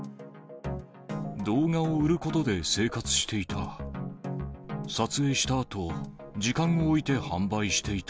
動画を売ることで生活していた。